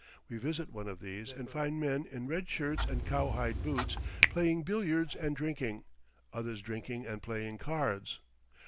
We visit one of these and find men in red shirts and cowhide boots playing billiards and drinking, others drinking and playing cards.